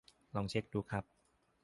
ลองเช็กดูครับ